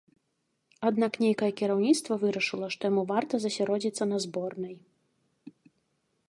Аднак нейкае кіраўніцтва вырашыла, што яму варта засяродзіцца на зборнай.